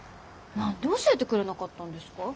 何で教えてくれなかったんですか？